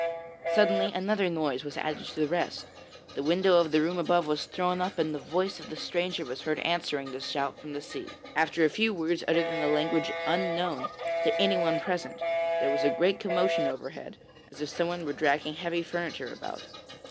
Suddenly another noise was added to the rest. The window of the room above was thrown up, and the voice of the stranger was heard answering the shout from the sea. After a few words uttered in a language unknown to anyone present, there was a great commotion overhead, as if someone were dragging heavy furniture about.